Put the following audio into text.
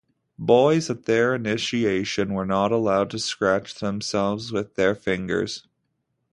Boys at their initiation were not allowed to scratch themselves with their fingers.